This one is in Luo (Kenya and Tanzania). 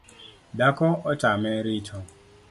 Dhako otame rito